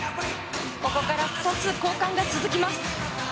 ここから２つ交換が続きます。